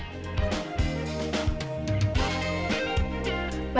membuka pintu pods atau kamar yang dipesan